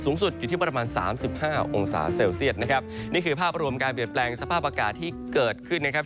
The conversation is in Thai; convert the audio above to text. อยู่ที่ประมาณสามสิบห้าองศาเซลเซียตนะครับนี่คือภาพรวมการเปลี่ยนแปลงสภาพอากาศที่เกิดขึ้นนะครับ